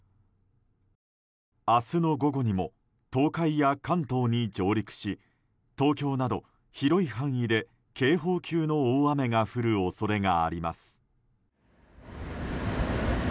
明日の午後にも東海や関東に上陸し東京など広い範囲で警報級の大雨が降る恐れがあります。